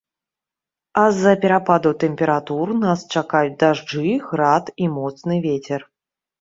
А з-за перападаў тэмператур нас чакаюць дажджы, град і моцны вецер.